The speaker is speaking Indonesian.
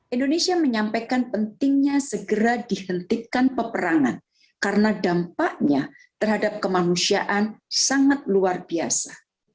indonesia menyampaikan pentingnya segera dihentikan peperangan karena dampaknya terhadap kemanusiaan sangat luar biasa